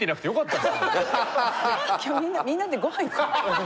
今日みんなでごはん行こう。